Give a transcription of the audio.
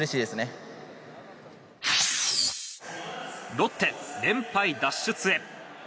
ロッテ、連敗脱出へ。